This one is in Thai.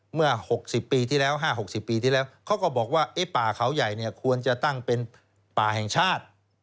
เมื่อ๖๐ปีที่แล้ว๕๖๐ปีที่แล้วเขาก็บอกว่าป่าเขาใหญ่ควรจะตั้งเป็นป่าแห่งชาติ